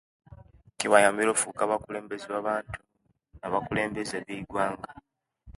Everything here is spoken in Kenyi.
Kibayambire okufuka abakulembeze ba'bantu, nabakulembeze beyigwanga.